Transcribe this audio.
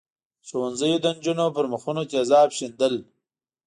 ښوونځیو د نجونو پر مخونو تېزاب شیندل.